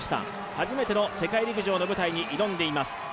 初めての世界陸上の舞台に挑んでいます。